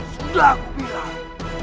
sudah aku bilang